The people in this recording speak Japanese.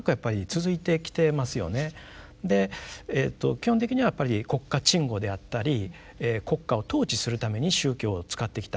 基本的にはやっぱり国家鎮護であったり国家を統治するために宗教を使ってきた。